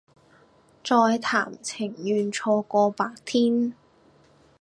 再談情願錯過白天